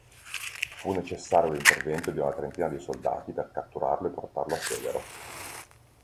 Fu necessario l'intervento di una trentina di soldati per catturarlo e portarlo a Severo.